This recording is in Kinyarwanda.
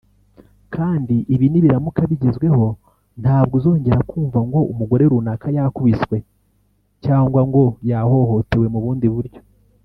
kandi ibi nibiramuka bigezweho ntabwo uzongera kumva ngo umugore runaka yakubiswe cyangwa ngo yahohotewe mu bundi buryo